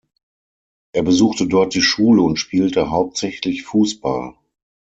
Er besuchte dort die Schule und spielte hauptsächlich Fußball.